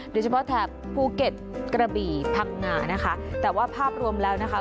แถบภูเก็ตกระบี่พังงานะคะแต่ว่าภาพรวมแล้วนะคะ